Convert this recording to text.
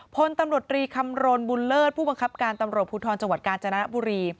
พลตำรวจตรีคำโรนบุญเลิศผู้บังคับการตำรวจพพจกาญจนบุรี